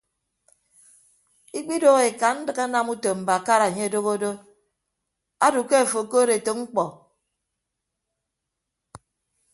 Ikpidoho ekandịk anam utom mbakara anye adoho do ado ke afo okood etәk mkpọ.